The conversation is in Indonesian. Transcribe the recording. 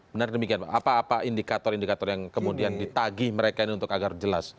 benar demikian pak apa indikator indikator yang kemudian ditagih mereka ini untuk agar jelas